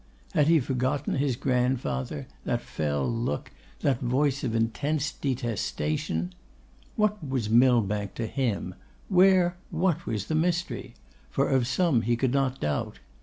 Had he forgotten his grandfather, that fell look, that voice of intense detestation? What was Millbank to him? Where, what was the mystery? for of some he could not doubt.